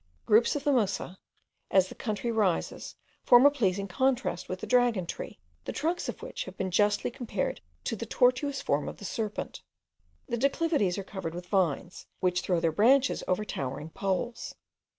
Groups of the musa, as the country rises, form a pleasing contrast with the dragon tree, the trunks of which have been justly compared to the tortuous form of the serpent. The declivities are covered with vines, which throw their branches over towering poles.